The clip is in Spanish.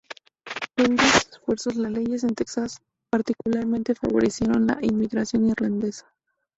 Debido a sus esfuerzos, las leyes en Texas particularmente favorecieron la inmigración irlandesa.